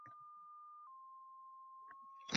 Bu holatda biz kreditni birdaniga to'lay olmadik